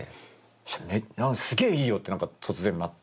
そしたらすげえいいよって何か突然なって。